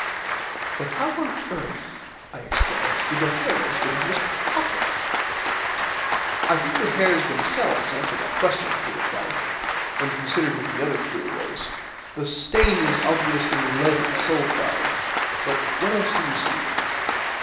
"But how on earth," I exclaimed, "did the hairs get into his pocket?" "I think the hairs themselves answer that question," he replied, "when considered with the other curios. The stain is obviously lead sulphide; but what else do you see?"